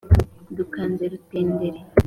dukanze rutenderi